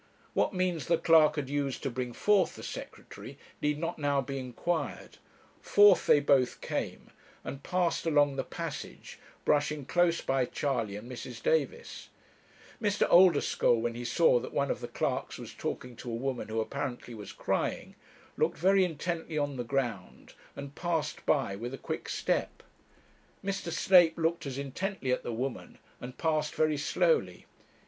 What means the clerk had used to bring forth the Secretary need not now be inquired. Forth they both came, and passed along the passage, brushing close by Charley and Mrs. Davis; Mr. Oldeschole, when he saw that one of the clerks was talking to a woman who apparently was crying, looked very intently on the ground, and passed by with a quick step; Mr. Snape looked as intently at the woman, and passed very slowly.